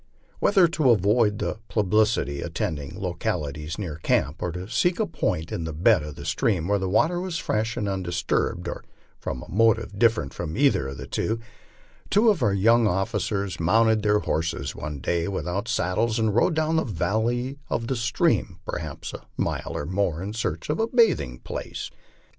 Whether to avoid the publicity attending localities near camp, or to seek a point in the bed of the stream where the water was fresh and undisturbed, or from a motive different from either of these, two of our young officers mounted their horses one day without saddles and rode down the valley of the stream perhaps a mile or more in search of a bathing place.